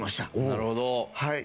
なるほど。